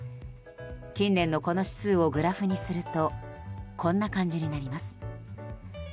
近年のこの指数をグラフにするとこんな感じになります。